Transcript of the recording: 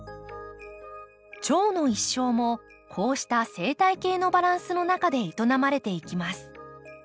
チョウの一生もこうした生態系のバランスの中で営まれていきます。